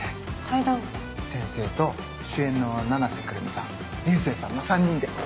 先生と主演の七瀬くるみさん流星さんの３人で。